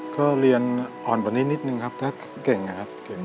ก็เรียนอ่อนกว่านี้นิดนึงครับแต่เก่งครับ